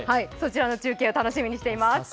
そちらの中継を楽しみにしています。